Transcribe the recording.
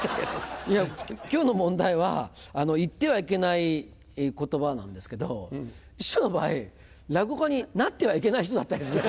いや今日の問題は「言ってはいけない言葉」なんですけど師匠の場合落語家になってはいけない人だった。